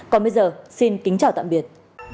còn bây giờ xin kính chào tạm biệt